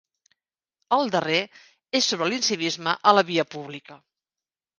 El darrer és sobre l'incivisme a la via pública.